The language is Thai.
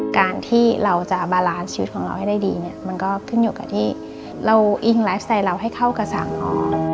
การที่เราจะบาลานชีวิตของเราให้ได้ดีเนี่ยมันก็ขึ้นอยู่กับที่เราอิงไลฟ์สไตล์เราให้เข้ากับสั่งออก